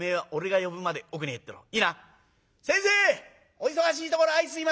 お忙しいところあいすいません」。